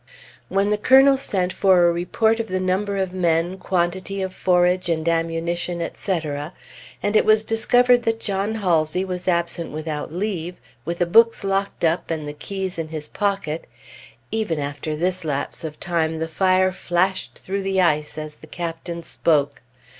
When the Colonel sent for a report of the number of men, quantity of forage and ammunition, etc., and it was discovered that John Halsey was absent without leave, with the books locked up and the keys in his pocket even after this lapse of time, the fire flashed through the ice as the Captain spoke.